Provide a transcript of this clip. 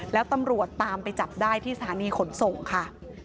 แล้วตำรวจตามไปจับได้ที่สถานีขนส่งค่ะ